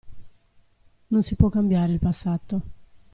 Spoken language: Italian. Non si può cambiare il passato.